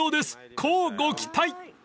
［乞うご期待］